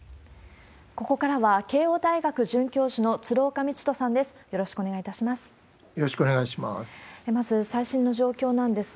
ここからは、慶応大学准教授の鶴岡路人さんです。